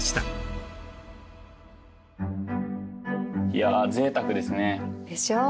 いやぜいたくですね。でしょう。